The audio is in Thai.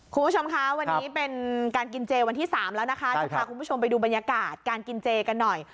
คุณผู้ชมคะวันนี้เป็นการกินเจวันที่๓แล้วนะคะจะพาคุณผู้ชมไปดูบรรยากาศการกินเจกันหน่อย